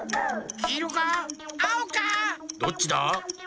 どっちだ？